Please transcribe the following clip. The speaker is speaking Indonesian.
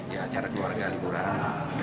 ya cari keluarga liburan